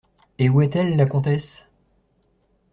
Et où est-elle, la comtesse ?